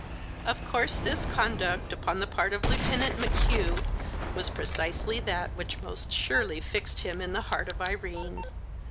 Of course this conduct upon the part of Lieutenant McHugh was precisely that which most surely fixed him in the heart of Irene.